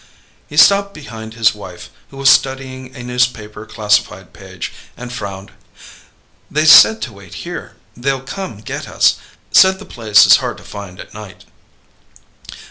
He stopped behind his wife, who was studying a newspaper classified page, and frowned. "They said to wait here. They'll come get us. Said the place is hard to find at night."